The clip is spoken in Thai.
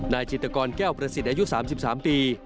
จิตกรแก้วประสิทธิ์อายุ๓๓ปี